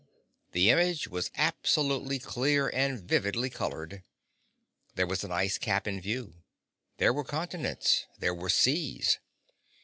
The image was absolutely clear and vividly colored. There was an ice cap in view. There were continents. There were seas.